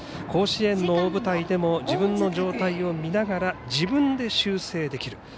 甲子園の大舞台でも自分の状態を見ながら自分で修正できる。